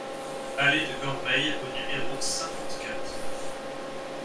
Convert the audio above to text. Allée de Cormeilles au numéro cinquante-quatre